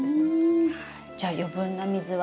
じゃあ余分な水は。